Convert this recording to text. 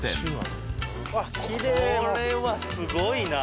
これはすごいな。